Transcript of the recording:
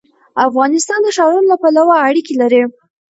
افغانستان د ښارونو له پلوه اړیکې لري.